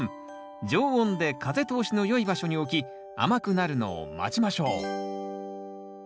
常温で風通しの良い場所に置き甘くなるのを待ちましょう。